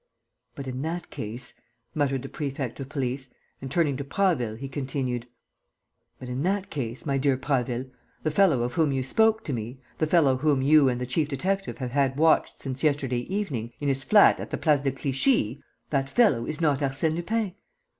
"But, in that case," muttered the prefect of police and, turning to Prasville, he continued "but, in that case, my dear Prasville, the fellow of whom you spoke to me, the fellow whom you and the chief detective have had watched since yesterday evening, in his flat in the Place de Clichy, that fellow is not Arsène Lupin?"